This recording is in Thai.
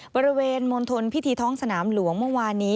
บริเวณมณฑลพิธีท้องสนามหลวงเมื่อวานนี้